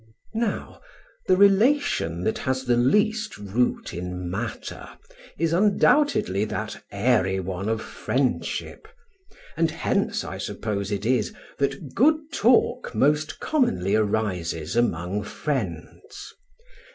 Now, the relation that has the least root in matter is undoubtedly that airy one of friendship; and hence, I suppose, it is that good talk most commonly arises among friends.